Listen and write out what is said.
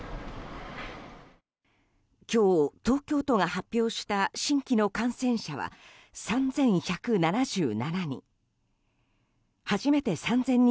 今日、東京都が発表した新規の感染者は３１７７人。